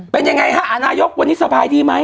เป็นยังไงฮะนายกวันนี้สบายดีไหม